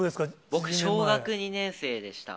僕、小学２年生でした。